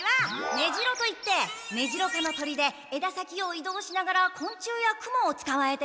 メジロといってメジロ科の鳥でえだ先をいどうしながら昆虫やクモをつかまえて。